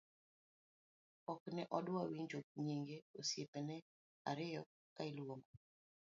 ok ne odwa winjo nyinge osiepene ariyo ka iluongo